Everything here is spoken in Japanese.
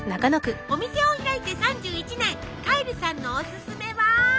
お店を開いて３１年カイルさんのおすすめは？